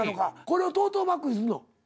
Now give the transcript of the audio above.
これをトートバッグにすんの？